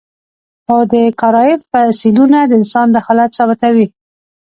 خو د کارایب فسیلونه د انسان دخالت ثابتوي.